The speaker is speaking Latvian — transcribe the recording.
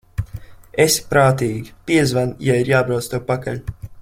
Esi prātīga, piezvani, ja ir jābrauc tev pakaļ.